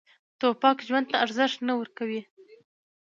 توپک ژوند ته ارزښت نه ورکوي.